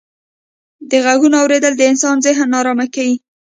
د ږغو اورېدل د انسان ذهن ناآرامه کيي.